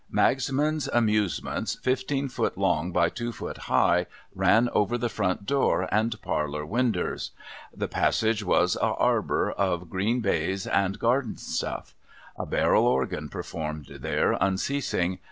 ' Magsman's Amusements,' fifteen foot long by two foot high, ran over the front door and parlour winders. The passage was a Arbour of green baize and gardenstuft". A barrel organ performed there unceasing.